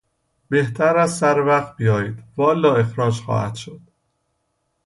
بهتر است سر وقت بیاید والا اخراج خواهد شد.